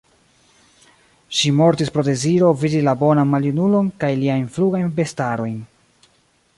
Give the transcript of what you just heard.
Ŝi mortis pro deziro, vidi la bonan maljunulon kaj liajn flugajn bestarojn.